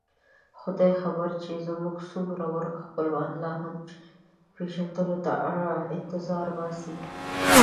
خدای خبر چې زموږ څومره ورک خپلوان لا هم پېژندلو ته انتظار باسي.